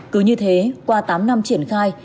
cứ như thế qua tám năm triển khai